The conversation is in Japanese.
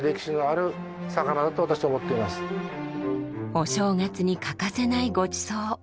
お正月に欠かせないごちそう。